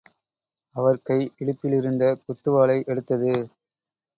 அவர் கை இடுப்பிலிருந்த குத்துவாளை எடுத்தது.